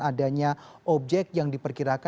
adanya objek yang diperkirakan